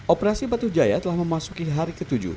operasi batu jaya telah memasuki hari ke tujuh